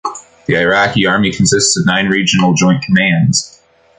The Iraqi Army consists of nine regional joint commands.